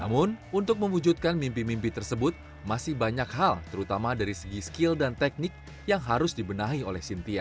namun untuk mewujudkan mimpi mimpi tersebut masih banyak hal terutama dari segi skill dan teknik yang harus dibenahi oleh cynthia